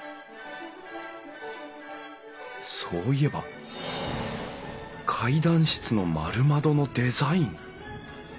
そういえば階段室の丸窓のデザイン。